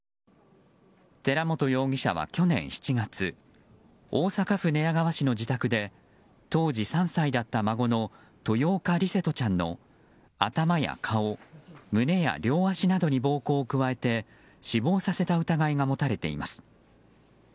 寺本容疑者は去年７月大阪府寝屋川市の自宅で当時３歳だった孫の豊岡琉聖翔ちゃんの頭や顔、胸や両足などに暴行を加えて死亡させた疑いが持たれています。